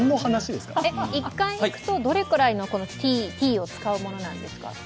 １回行くとどれくらいのティーを使うものなんですか？